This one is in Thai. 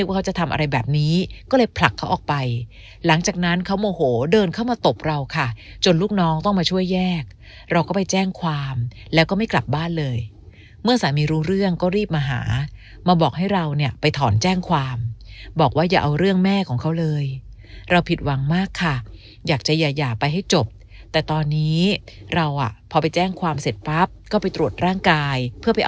ว่าเขาจะทำอะไรแบบนี้ก็เลยผลักเขาออกไปหลังจากนั้นเขาโมโหเดินเข้ามาตบเราค่ะจนลูกน้องต้องมาช่วยแยกเราก็ไปแจ้งความแล้วก็ไม่กลับบ้านเลยเมื่อสามีรู้เรื่องก็รีบมาหามาบอกให้เราเนี่ยไปถอนแจ้งความบอกว่าอย่าเอาเรื่องแม่ของเขาเลยเราผิดหวังมากค่ะอยากจะอย่าไปให้จบแต่ตอนนี้เราอ่ะพอไปแจ้งความเสร็จปั๊บก็ไปตรวจร่างกายเพื่อไป